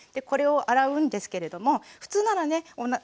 これを洗うんですけれども普通ならね